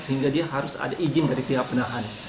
sehingga dia harus ada izin dari pihak penahan